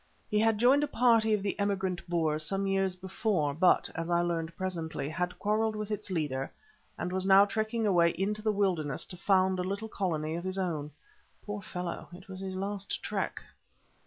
He had joined a party of the emigrant Boers some years before, but, as I learned presently, had quarrelled with its leader, and was now trekking away into the wilderness to found a little colony of his own. Poor fellow! It was his last trek.